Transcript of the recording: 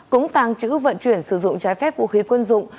cũng tàng trữ vận chuyển sử dụng trái phép vũ khí quân dụng